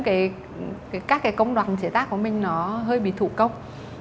nói chung các công đoàn chế tác của mình nó hơi bị thủ công